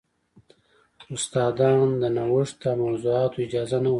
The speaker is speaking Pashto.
استادان د نوښت او موضوعاتو اجازه نه ورکوي.